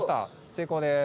成功です。